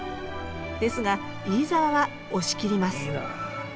ですが飯沢は押し切ります。